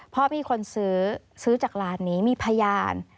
พ่อพี่คนซื้อซื้อจากร้านนี้มีพยาน